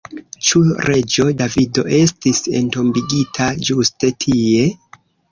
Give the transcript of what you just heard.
Ĉu reĝo Davido estis entombigita ĝuste tie?